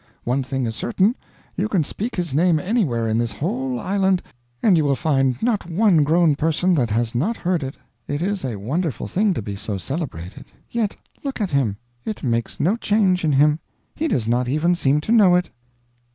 One thing is certain; you can speak his name anywhere in this whole island, and you will find not one grown person that has not heard it. It is a wonderful thing to be so celebrated; yet look at him; it makes no change in him; he does not even seem to know it."